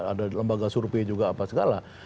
ada lembaga survei juga apa segala